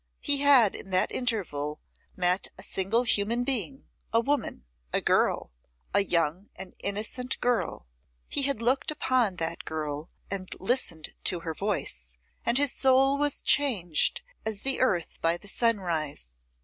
He had in that interval met a single human being, a woman, a girl, a young and innocent girl; he had looked upon that girl and listened to her voice, and his soul was changed as the earth by the sunrise.